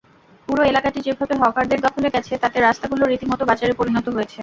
পুরো এলাকাটি যেভাবে হকারদের দখলে গেছে, তাতে রাস্তাগুলো রীতিমতো বাজারে পরিণত হয়েছে।